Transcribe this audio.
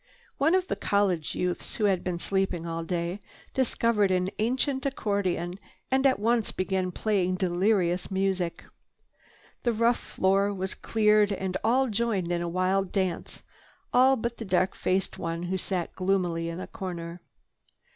One of the college youths, who had slept all the day, discovered an ancient accordion and at once began playing delirious music. The rough floor was cleared and all joined in a wild dance—all but the dark faced one who sat gloomily in a corner.